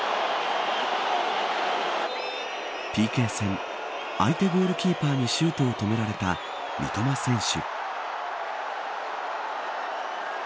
ＰＫ戦相手ゴールキーパーにシュートを止められた三笘選手。